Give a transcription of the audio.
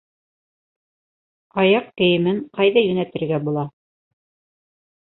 Аяҡ кейемен ҡайҙа йүнәтергә була?